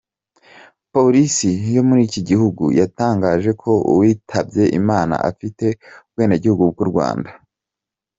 Polisi yo muri iki gihugu yatangaje ko uwitabye Imana afite ubwenegihugu bw’u Rwanda.